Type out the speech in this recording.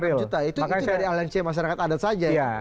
itu dari alansi masyarakat adat saja